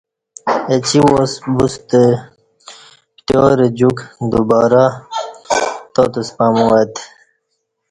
اہ چی واس بوستہ پتیار جوک دوبارہ تاتس پمو اہ تہ